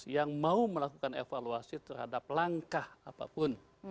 yang mau melakukan evaluasi terhadap langkah apapun